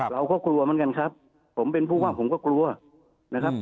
เราก็กลัวเหมือนกันครับผมเป็นผู้ว่าผมก็กลัวนะครับ